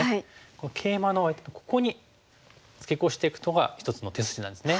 このケイマのここにツケコしていくのが一つの手筋なんですね。